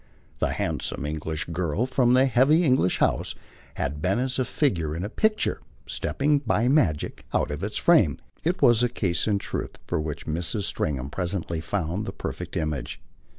The handsome English girl from the heavy English house had been as a figure in a picture stepping by magic out of its frame: it was a case in truth for which Mrs. Stringham presently found the perfect image.